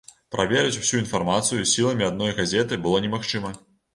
Праверыць усю інфармацыю сіламі адной газеты было немагчыма.